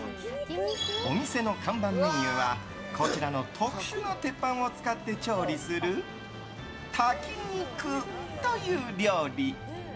お店の看板メニューはこちらの特殊な鉄板を使って調理する炊き肉という料理。